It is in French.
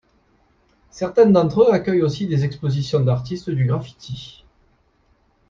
Certains d'entre eux accueillent aussi des expositions d'artistes du graffiti.